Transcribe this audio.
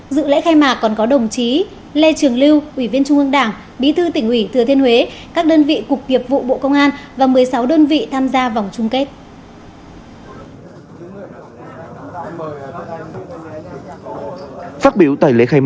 dự lễ khai mạc còn có đồng chí lê trường lưu ủy viên trung ương đảng bí thư tỉnh ủy thừa thiên huế các đơn vị cục nghiệp vụ bộ công an và một mươi sáu đơn vị tham gia vòng chung kết